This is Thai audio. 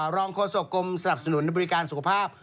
รองโฆษกรมสนับสนุนบริการสุขภาพ